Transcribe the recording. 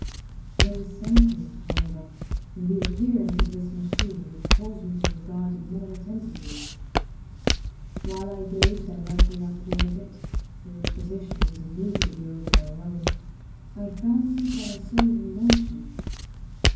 There was something, however, in the appearance of this machine which caused me to regard it more attentively. While I gazed directly upward at it (for its position was immediately over my own) I fancied that I saw it in motion.